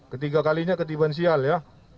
ketiga kalinya ketiban sial ya